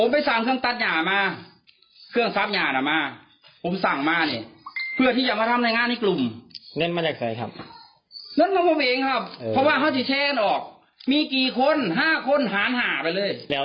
เพราะว่าเขาจะแชนออกมีกี่คนห้าคนหารหาไปเลย